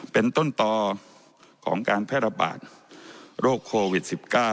เป็นต้นต่อของการแพร่ระบาดโรคโควิด๑๙